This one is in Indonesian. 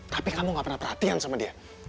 tapi kamu gak pernah perhatian sama dia